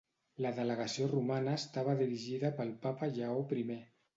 La delegació Romana estava dirigida pel Papa Lleó I.